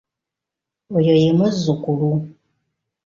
Oyo ye muzzukulu.